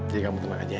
jadi kamu tenang aja ya